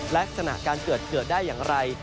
และสถานการณ์เกิดได้อย่างไร